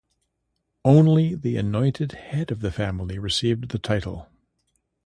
Only the anointed head of the family received the title.